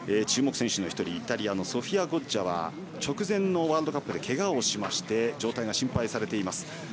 注目選手の１人イタリアのソフィアは直前のワールドカップでけがをして状態が心配されています。